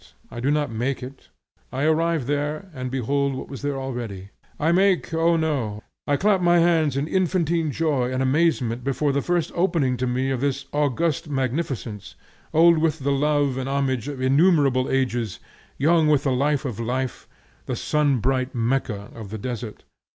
I do not make it; I arrive there, and behold what was there already. I make! O no! I clap my hands in infantine joy and amazement before the first opening to me of this august magnificence, old with the love and homage of innumerable ages, young with the life of life, the sunbright Mecca of the desert.